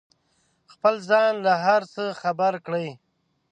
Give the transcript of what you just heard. خپل ځان له هر څه خبر کړئ.